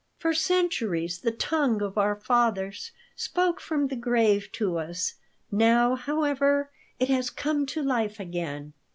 "For centuries the tongue of our fathers spoke from the grave to us. Now, however, it has come to life again."